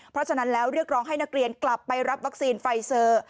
เพราะฉะนั้นแล้วเรียกร้องให้นักเรียนกลับไปรับวัคซีนไฟเซอร์